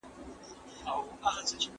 د ټولنپوهنې اصول په ژوند کې پلي کړئ.